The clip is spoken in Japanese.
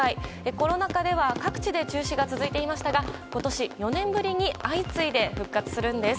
コロナ禍では各地で中止が続いていましたが今年、４年ぶりに相次いで復活するんです。